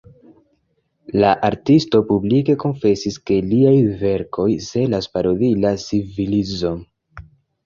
La artisto publike konfesis, ke liaj verkoj celas parodii la civilizon.